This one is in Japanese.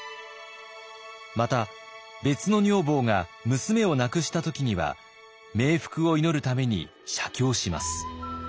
また別の女房が娘を亡くした時には冥福を祈るために写経します。